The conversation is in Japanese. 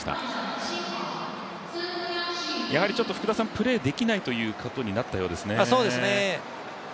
やはりプレーできないということになったようですね。